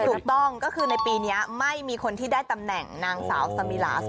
ถูกต้องก็คือในปีนี้ไม่มีคนที่ได้ตำแหน่งนางสาวสมิลา๒